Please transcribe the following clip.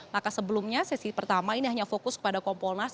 maka sebelumnya sesi pertama ini hanya fokus kepada kompolnas